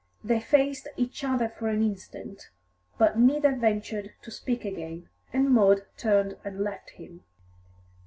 They faced each other for an instant, but neither ventured to speak again, and Maud turned and left him.